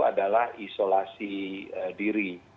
adalah isolasi diri